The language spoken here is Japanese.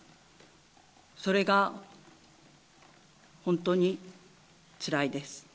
それが本当につらいです。